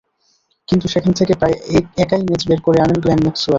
কিন্তু সেখান থেকে প্রায় একাই ম্যাচ বের করে আনেন গ্লেন ম্যাক্সওয়েল।